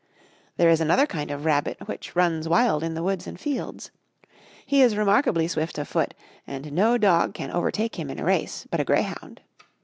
There is another kind of rabbit, which runs wild in the woods and fields. He is remarkably swift of foot, and no dog can overtake him in a race, but a grey hound.